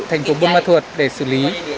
thành phố bôn ma thuật để xử lý